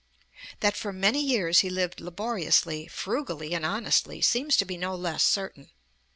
That for many years he lived laboriously, frugally, and honestly seems to be no less certain.